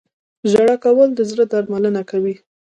• ژړا کول د زړه درملنه کوي.